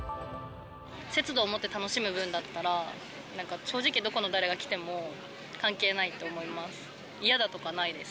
節度を持って楽しむ分だったら、なんか正直、どこの誰が来ても関係ないって思います。